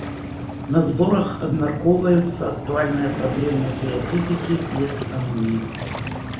На зборах абмяркоўваюцца актуальныя праблемы геафізікі і астраноміі.